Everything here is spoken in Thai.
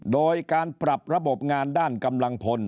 โดยการปรับระบบงานด้านกำลังพล